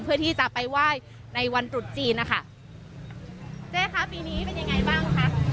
เพื่อที่จะไปไหว้ในวันตรุษจีนนะคะเจ๊คะปีนี้เป็นยังไงบ้างคะ